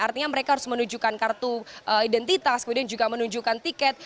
artinya mereka harus menunjukkan kartu identitas kemudian juga menunjukkan tiket